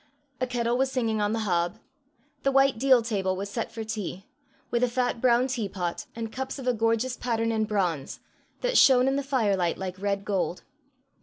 A kettle was singing on the hob. The white deal table was set for tea with a fat brown teapot, and cups of a gorgeous pattern in bronze, that shone in the firelight like red gold.